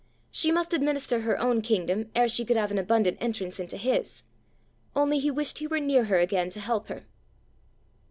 She must administer her own kingdom ere she could have an abundant entrance into his! Only he wished he were near her again to help her!